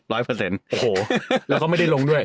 โอ้โหแล้วก็ไม่ได้ลงด้วย